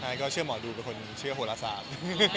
ใช่ก็เชื่อหมอดูเป็นคนเชื่อโหลศาสตร์